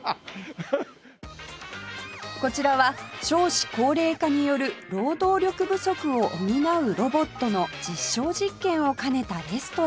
こちらは少子高齢化による労働力不足を補うロボットの実証実験を兼ねたレストラン